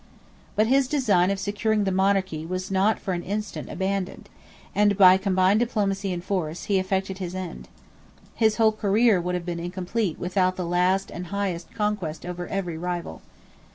But his design of securing the monarchy was not for an instant abandoned, and, by combined diplomacy and force, he effected his end. His whole career would have been incomplete without that last and highest conquest over every rival.